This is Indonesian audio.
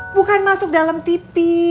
bukan masuk dalam tv